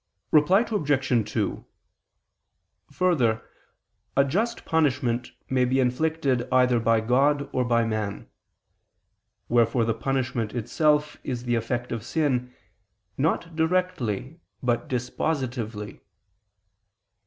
Reply Obj. 2: Further, a just punishment may be inflicted either by God or by man: wherefore the punishment itself is the effect of sin, not directly but dispositively.